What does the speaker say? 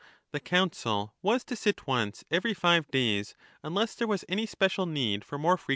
The Council was to sit once every five days, unless there was any special need for more frequent sittings.